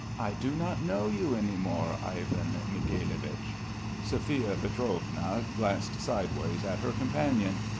I do not know you any more, Ivan Mikhailovich." Sophia Pietrovna glanced sideways at her companion.